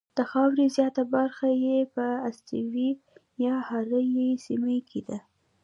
د خاورې زیاته برخه یې په استوایي یا حاره یې سیمه کې ده.